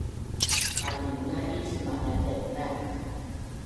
Qalinga is madadaingaz